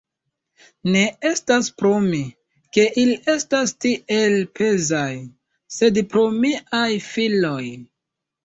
Ne estas pro mi, ke ili estas tiel pezaj, sed pro miaj filoj.